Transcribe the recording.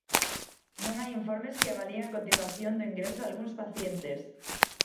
Non hai informes que avalíen a continuación do ingreso dalgúns pacientes.